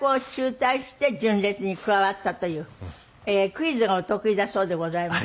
クイズがお得意だそうでございまして。